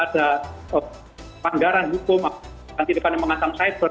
ada panggaran hukum atau antirifan yang mengasang cyber